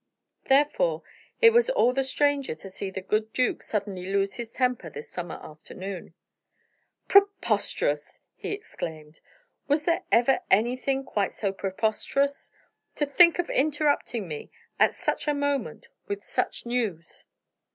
Therefore, it was all the stranger to see the good duke suddenly lose his temper this summer afternoon. "Preposterous!" he exclaimed; "was there ever anything quite so preposterous! To think of interrupting me, at such a moment, with such news!"